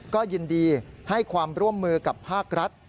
ก็ยินดีให้ความร่วมมือกับภาครัฐ